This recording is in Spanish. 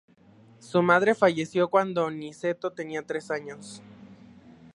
Su madre falleció cuando Niceto tenía tres años.